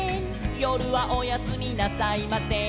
「よるはおやすみなさいません」